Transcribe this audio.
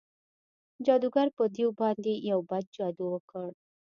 جادوګر په دیو باندې یو بد جادو وکړ.